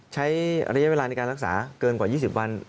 ใช้ระยะเวลาในการรักษาเกินกว่า๒๐วัน